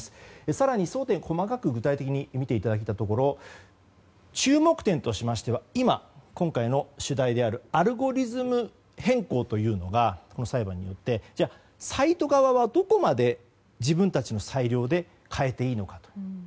更に争点を端的に見ていただいたところ注目点としましては今回の主題であるアルゴリズム変更というのがサイト側はどこまで自分たちの裁量で変えていいのかと。